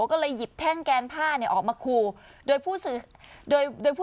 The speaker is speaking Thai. ก็เลยหยิบแท่งแกนผ้าเนี่ยออกมาขู่โดยผู้สื่อโดยโดยผู้